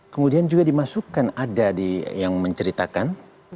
kemudian juga dimasukkan ada yang menceritakan